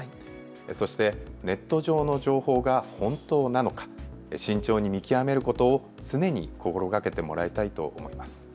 そしてネット上の情報が本当なのか、慎重に見極めることを常に心がけてもらいたいと思います。